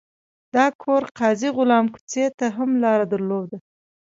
دا کور قاضي غلام کوڅې ته هم لار درلوده.